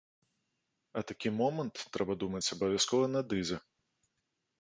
А такі момант, трэба думаць, абавязкова надыдзе.